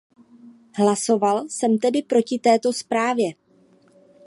Hlasoval jsem tedy proti této zprávě.